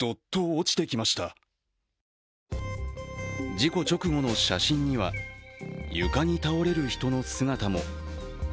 事故直後の写真には床に倒れる人の姿も。